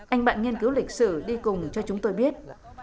anh bạn nghiên cứu lịch sử đi cùng cho chúng tôi biết